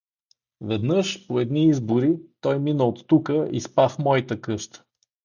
Веднъж, по едни избори, той мина оттука и спа в мойта къща.